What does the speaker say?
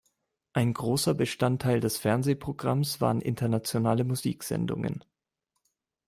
Ein großer Bestandteil des Fernsehprogramms waren internationale Musiksendungen.